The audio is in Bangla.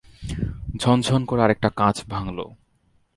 ঝনঝন করে আরেকটা কাঁচ ভাঙল।